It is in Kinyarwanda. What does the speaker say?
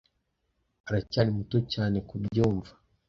aracyari muto cyane kubyumva